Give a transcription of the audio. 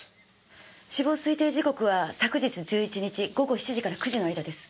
死亡推定時刻は昨日１１日午後７時から９時の間です。